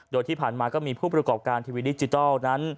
โดยที่ผ่านมาก็มีผู้ประกอบการทีวีดิจิทัลนั้น